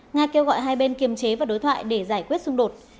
nga kêu gọi hai bên kiềm chế và đối thoại để giải quyết xung đột